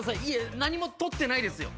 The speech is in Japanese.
何も取ってないですよ。